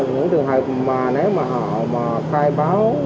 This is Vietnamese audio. những trường hợp mà nếu mà họ khai báo